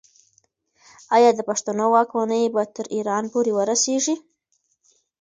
آیا د پښتنو واکمني به تر ایران پورې ورسیږي؟